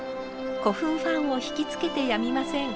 古墳ファンを惹きつけてやみません。